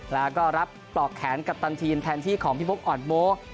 แล้วก็รับปลอกแขนกัปตันทีมแทนที่ของพี่บุ๊กอ่อนโบ๊